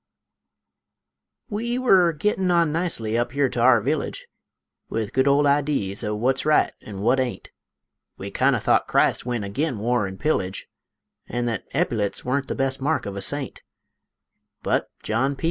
We were gettin' on nicely up here to our village, With good old idees o' wut's right an' wut ain't, We kind o' thought Christ went agin war an' pillage, An' thet eppyletts worn't the best mark of a saint; But John P.